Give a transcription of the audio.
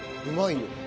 うまいよ。